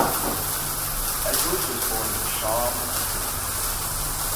Edwards was born in Shaw, Mississippi.